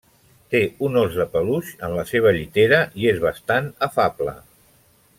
Té un ós de peluix en la seva llitera i és bastant afable.